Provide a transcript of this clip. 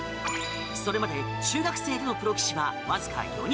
それまで中学生でのプロ棋士はわずか４人。